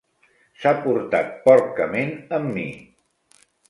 S'ha portat porcament amb mi.